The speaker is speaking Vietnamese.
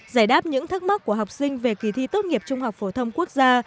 giải đáp những thắc mắc của học sinh về kỳ thi tốt nghiệp trung học phổ thông quốc gia